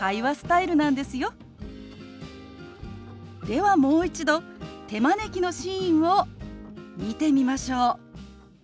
ではもう一度手招きのシーンを見てみましょう。